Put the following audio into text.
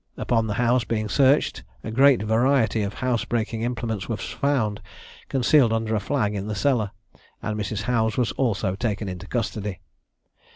Upon the house being searched a great variety of house breaking implements was found, concealed under a flag in the cellar, and Mrs. Howes was also taken into custody.